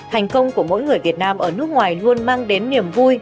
hành công của mỗi người việt nam ở nước ngoài luôn mang đến niềm vui